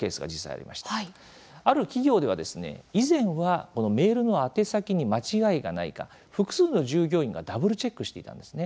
ある企業では以前はメールの宛先に間違いがないか複数の従業員がダブルチェックしていたんですね。